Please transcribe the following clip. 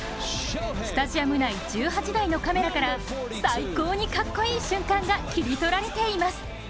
スタジアム内１８台のカメラから最高にかっこいい瞬間が切り取られています。